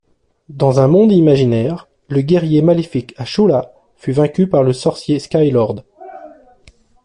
Dans un monde imaginaire, le guerrier maléfique Ashura fut vaincu par le sorcier Skylord.